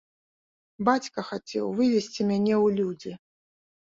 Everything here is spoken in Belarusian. Бацька хацеў вывесці мяне ў людзі.